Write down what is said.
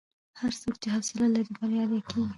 هر څوک چې حوصله لري، بریالی کېږي.